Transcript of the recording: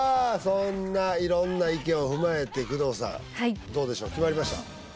そんな色んな意見を踏まえて工藤さんはいどうでしょう決まりました？